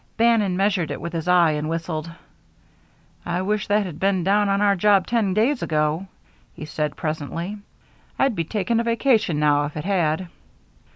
Bannon measured it with his eye and whistled. "I wish that had been down on our job ten days ago," he said, presently. "I'd be taking a vacation now if it had."